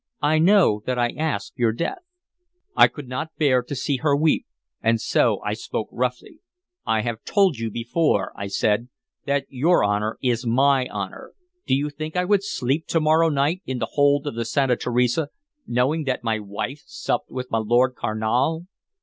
"I know that I ask your death." I could not bear to see her weep, and so I spoke roughly. "I have told you before," I said, "that your honor is my honor. Do you think I would sleep to morrow night, in the hold of the Santa Teresa, knowing that my wife supped with my Lord Carnal?"